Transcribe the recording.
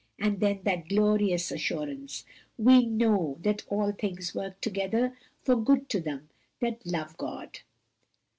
And then that glorious assurance, 'We know that all things work together for good to them that love God.'